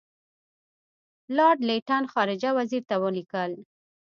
لارډ لیټن خارجه وزیر ته ولیکل.